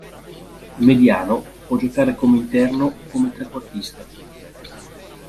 Mediano, può giocare come interno o come trequartista.